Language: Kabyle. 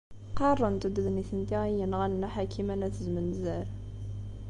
Qarrent-d d nitenti ay yenɣan Nna Ḥakima n At Zmenzer.